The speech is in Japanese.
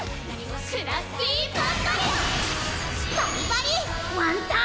クラスティパンバリア‼バリバリワンターン！